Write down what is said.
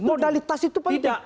modalitas itu penting